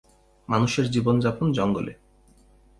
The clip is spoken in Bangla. মানুষের জীবনযাপন জঙ্গলে।